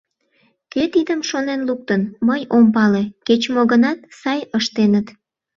Кӧ тидым шонен луктын, мый ом пале, кеч-мо гынат, сай ыштеныт.